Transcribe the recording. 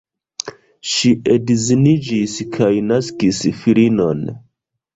Ŝi edziniĝis kaj naskis filinon.